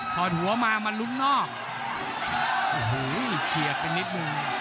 พอดหัวมามันลุ้มนอกโอ้โหเฉียบไปนิดนึง